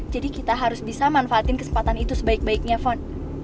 jadi kita harus bisa manfaatin kesempatan itu sebaik baiknya fon